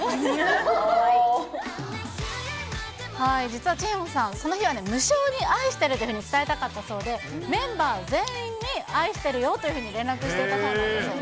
実はチェヨンさん、その日はね、無性に愛してるというふうに伝えたかったそうで、メンバー全員に愛してるよというふうに連絡していたそうなんですよ。